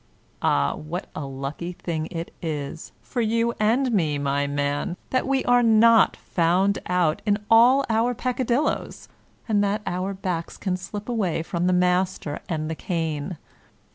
Ah, what a lucky thing it is, for you and me, my man, that we are not found out in all our peccadilloes ; and that our backs can slip away from the master and the cane